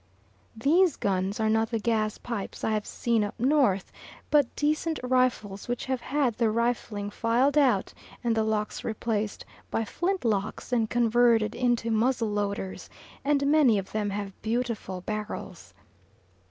These guns are not the "gas pipes" I have seen up north; but decent rifles which have had the rifling filed out and the locks replaced by flint locks and converted into muzzle loaders, and many of them have beautiful barrels.